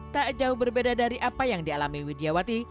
tak jauh berbeda dari apa yang dialami widya wati